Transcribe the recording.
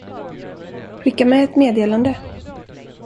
Skicka med ett meddelande!